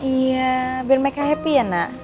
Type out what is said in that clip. iya biar mereka happy ya nak